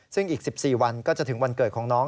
ซึ่งอีก๑๔วันก็จะถึงวันเกิดของน้อง